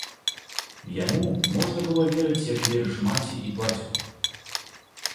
Яму можна было верыць, як верыш маці і бацьку.